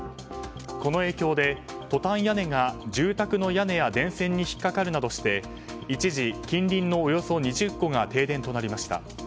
この影響でトタン屋根が住宅の屋根や電線に引っかかるなどして一時、近隣のおよそ２０戸が停電となりました。